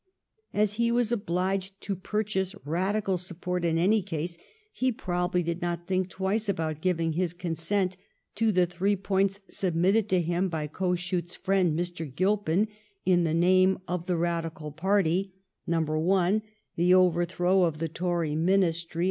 As he was obliged to purchase Badical support in any case, he probably did not think twice about giving his consent to the three points submitted to him by Kossuth's friend, Mr. Gilpin, in the name of the Badical party, (1) the overthrow of the Tory Ministry 13 194 LIFE OF VISCOUNT FALMEBSTON.